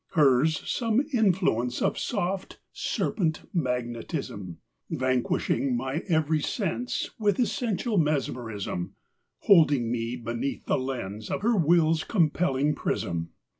Hers some influence Of soft, serpent magnetism, Vanquishing my every sense With essential mesmerism; Holding me beneath the lens Of her will's compelling prism.